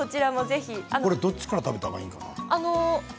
これはどっちから食べたらいいのかな。